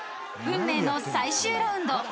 ［運命の最終ラウンド］